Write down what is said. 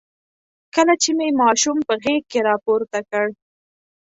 کله چې مې ماشوم په غېږ کې راپورته کړ.